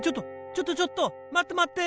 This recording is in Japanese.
ちょっとちょっと待って待って！